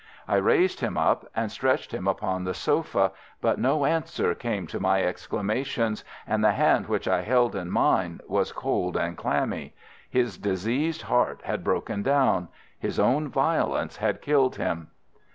I raised him up and stretched him upon the sofa, but no answer came to my exclamations, and the hand which I held in mine was cold and clammy. His diseased heart had broken down. His own violence had killed him.